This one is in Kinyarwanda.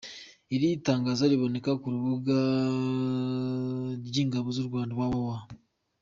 Iri tangazo riboneka ku rubuga ry’ ingabo z’ u Rwanda www.